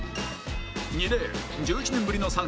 ２レーン１１年ぶりの参戦